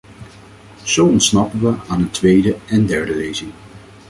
Zo ontsnappen we aan een tweede en derde lezing.